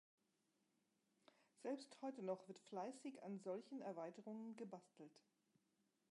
Selbst heute noch wird fleißig an solchen Erweiterungen gebastelt.